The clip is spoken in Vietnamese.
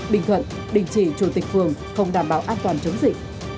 bình thuận đình chỉ chủ tịch phường không đảm bảo an toàn chống dịch